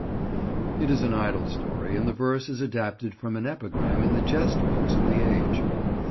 It is an idle story, and the verse is adapted from an epigram in the jest books of the age.